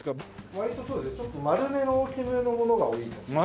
割とちょっと丸めの大きめのものが多いかもしれない。